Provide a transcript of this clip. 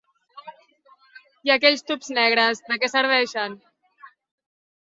I aquells tubs negres, de què serveixen?